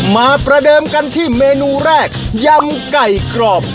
มาประเดิมกันที่เมนูแรกยำไก่กรอบ